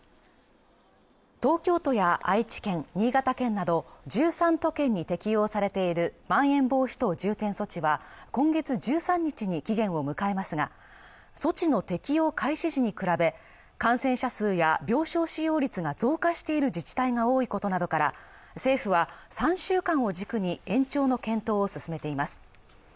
東京都や愛知県新潟県など１３都県に適用されているまん延防止等重点措置は今月１３日に期限を迎えますが措置の適用開始時に比べ感染者数や病床使用率が増加している自治体が多いことなどから政府は３週間を軸に延長の検討を進めています